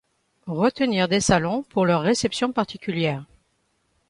Retenir des salons pour leurs réceptions particulières.